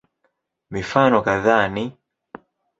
Mifano kadhaa ni